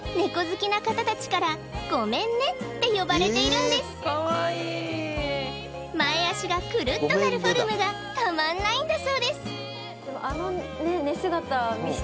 好きな方たちからゴメン寝って呼ばれているんです前足がくるっとなるフォルムがたまんないんだそうです